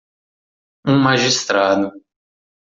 Um magistrado